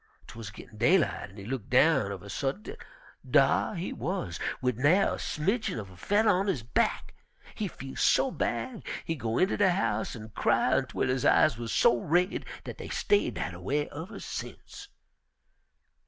'Twuz gittin' daylight, an' he look down uv a suddint an' dar he wuz! wid nair' a smidgin' uv a fedder on his back. He feel so bad he go inter de house an' cry ontwel his eyes wuz so raid dat dey stayed dat a way uver sence.